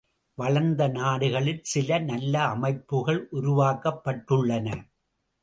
வளர்ந்த நாடுகளில் சில நல்ல அமைப்புகள் உருவாக்கப்பட்டுள்ளன.